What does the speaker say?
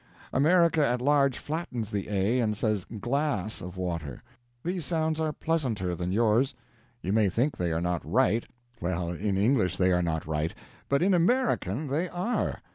America at large flattens the 'a', and says 'glass of water.' These sounds are pleasanter than yours; you may think they are not right well, in English they are not right, but in 'American' they are.